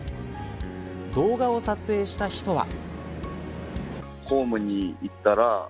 動画を撮影した人は。